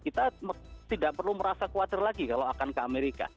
kita tidak perlu merasa khawatir lagi kalau akan ke amerika